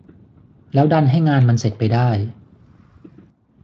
แล้วดันให้งานมันเสร็จไปได้